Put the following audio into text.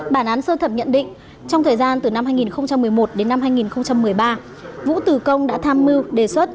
bản án sơ thẩm nhận định trong thời gian từ năm hai nghìn một mươi một đến năm hai nghìn một mươi ba vũ tử công đã tham mưu đề xuất